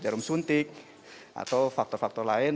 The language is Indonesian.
ada yang takut jarum suntik atau faktor faktor lain